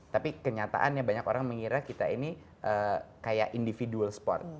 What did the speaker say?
tapi kenyataannya banyak orang mengira kita ini kayak individual sport